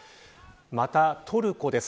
また、トルコです。